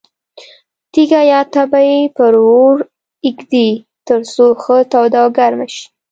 تیږه یا تبۍ پر اور ږدي ترڅو ښه توده او ګرمه شي.